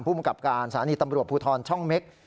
มังกับการสถานีตำรวจภูทรช่องเม็ก